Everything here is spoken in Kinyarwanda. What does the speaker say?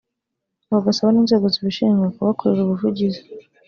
bagasaba n’inzego zibishinzwe kubakorera ubuvugizi